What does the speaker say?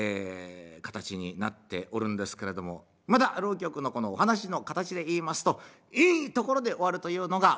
形になっておるんですけれどもまた浪曲のこのお話の形でいいますといいところで終わるというのがお決まりでございまして。